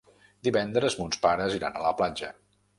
Divendres mons pares iran a la platja.